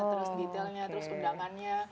terus detailnya terus undangannya